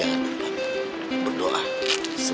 aneh banget sih